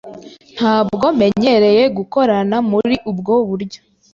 Ntabwo menyereye gukorana muri ubwo buryo